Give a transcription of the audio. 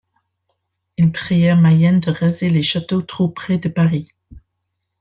Ils prièrent Mayenne de raser les châteaux trop près de Paris.